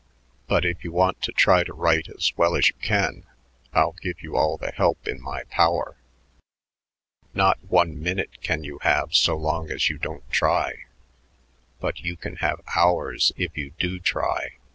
But If you want to try to write as well as you can, I'll give you all the help in my power. Not one minute can you have so long as you don't try, but you can have hours if you do try.